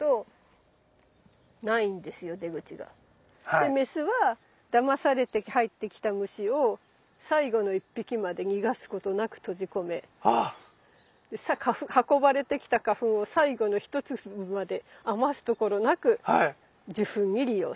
で雌はダマされて入ってきた虫を最後の一匹まで逃がすことなく閉じ込め運ばれてきた花粉を最後の一粒まで余すところなく受粉に利用する。